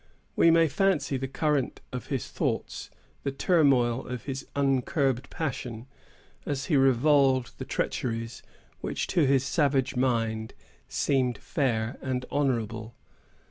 We may fancy the current of his thoughts, the turmoil of his uncurbed passions, as he revolved the treacheries which, to his savage mind, seemed fair and honorable.